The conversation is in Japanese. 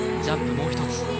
ジャンプもう１つ。